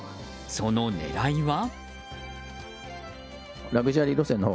その狙いは。